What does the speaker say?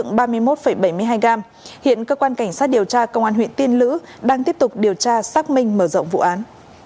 hiện cơ quan cảnh sát điều tra công an huyện tiên lữ đang tiếp tục điều tra xác minh mở rộng vụ án